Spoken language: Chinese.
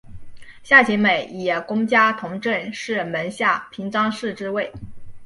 夏行美以功加同政事门下平章事之位。